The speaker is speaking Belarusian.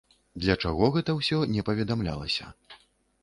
Для чаго гэта ўсё, не паведамлялася.